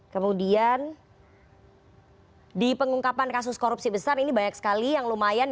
kemudian di pengungkapan kasus korupsi besar ini banyak sekali yang lumayan